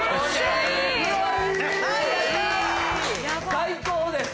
最高です！